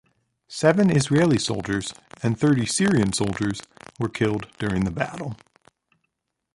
Seven Israeli soldiers and thirty Syrian soldiers were killed during the battle.